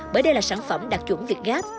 bởi đây là sản phẩm đạt chuẩn việt gáp